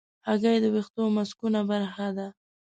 هګۍ د ویښتو ماسکونو برخه ده.